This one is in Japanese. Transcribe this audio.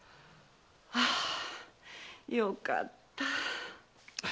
ああよかった！